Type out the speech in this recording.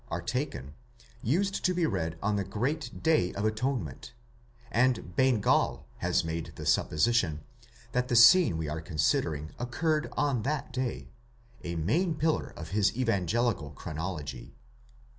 are taken, used to be read on the great Day of Atonement, and Bengel has made the supposition, that the scene we are cone occurred on that day, a main pillar of his evangelical chronology.